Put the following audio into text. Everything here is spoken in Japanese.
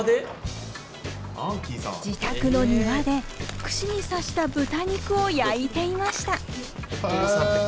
自宅の庭で串に刺した豚肉を焼いていました。